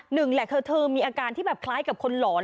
หนึ่งแหละเธอมีอาการที่แบบคล้ายกับคนหลอน